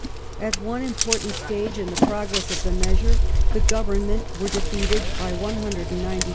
At one important stage in the progress of the measure the Government were defeated by 194 votes against 185.